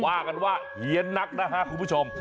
ว่ากันว่าเฮียนนักนะฮะคุณผู้ชม